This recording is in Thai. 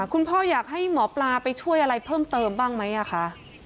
คุณพ่ออยากให้หมอปลาไปช่วยอะไรเพิ่มเติมบ้างไหมคะ